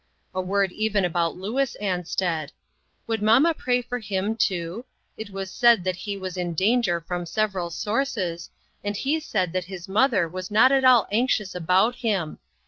A word even about Louis Ansted :" Would mamma pray for him, too? It was said that he was in danger from several sources, and he said that his mother was not at all anxious about him.